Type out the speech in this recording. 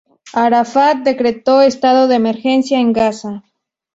Arafat decretó estado de emergencia en Gaza.